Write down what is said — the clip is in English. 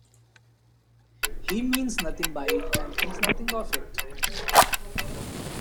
He means nothing by it and thinks nothing of it.